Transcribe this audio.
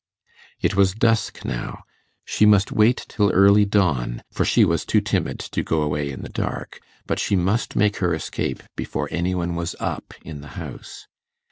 It was dusk now; she must wait till early dawn, for she was too timid to go away in the dark, but she must make her escape before any one was up in the house.